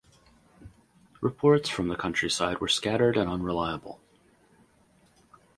Reports from the countryside were scattered and unreliable.